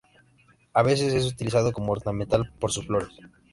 A veces es utilizada como ornamental por sus flores.